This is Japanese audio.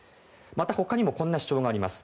また、他にもこんな主張があります。